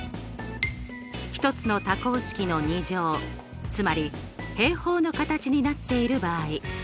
１つの多項式の２乗つまり平方の形になっている場合。